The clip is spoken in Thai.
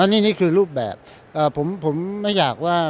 นี่คือรูปแบบผมไม่อยากว่า